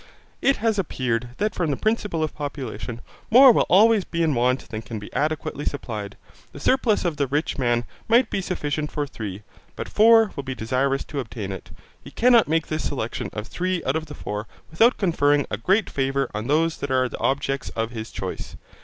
It has appeared that from the principle of population more will always be in want than can be adequately supplied. The surplus of the rich man might be sufficient for three, but four will be desirous to obtain it. He cannot make this selection of three out of the four without conferring a great favour on those that are the objects of his choice.